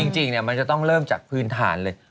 จริงมันจะต้องเริ่มจากพื้นฐานเลย